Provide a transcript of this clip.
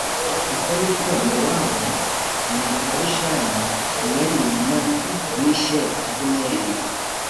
Uko ni ko Yowabu na Abishayi mwene nyina bishe Abuneri